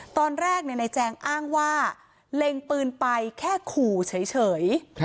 ตอนแรกนายแจงอ้างว่าเล็งปืนไปแค่ขู่เฉย